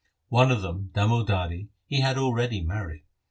One of them, Damodari, he had already married.